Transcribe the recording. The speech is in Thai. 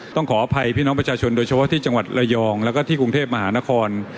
ขออภัยพี่น้องประชาชนโดยเฉพาะที่จังหวัดระยองแล้วก็ที่กรุงเทพมหานคร